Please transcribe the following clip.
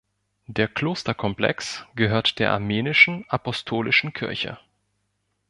Der Klosterkomplex gehört der Armenischen Apostolischen Kirche.